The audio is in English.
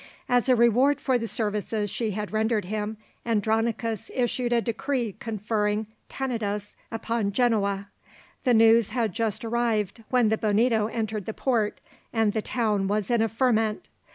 As a reward for the services she had rendered him, Andronicus issued a decree conferring Tenedos upon Genoa. The news had just arrived when the Bonito entered the port, and the town was in a ferment.